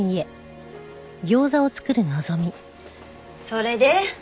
それで？